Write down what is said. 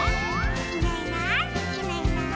「いないいないいないいない」